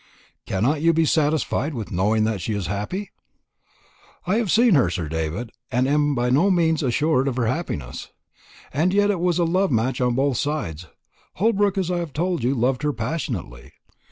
"Cannot you be satisfied with knowing that she is happy?" "I have seen her, Sir David, and am by no means assured of her happiness." "And yet it was a love match on both sides. Holbrook, as I have told you, loved her passionately."